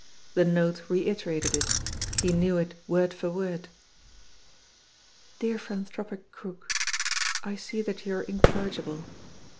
The note reiterated it ; he knew it word for word: "Dear Philanthropic Crook: I see that you are incorrigible.